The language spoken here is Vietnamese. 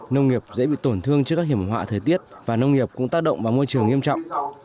nông nghiệp dễ bị tổn thương trước các hiểm họa thời tiết và nông nghiệp cũng tác động vào môi trường nghiêm trọng